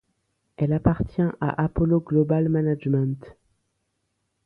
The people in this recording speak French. Elle appartient à Apollo Global Management.